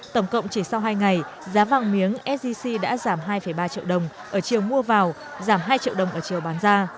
tổng cộng chỉ sau hai ngày giá vàng miếng sgc đã giảm hai ba triệu đồng ở chiều mua vào giảm hai triệu đồng ở chiều bán ra